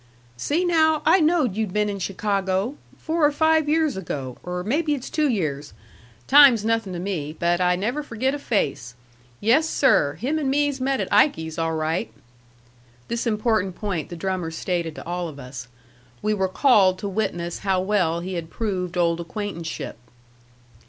"See, now! I knowed you'd been in Chicago. Four or five years ago. Or maybe it's two years. Time's nothing to me. But I never forget a face. Yes, sir. Him and me's met at Ikey's, all right." This important point the drummer stated to all of us. We were called to witness how well he had proved old acquaintanceship.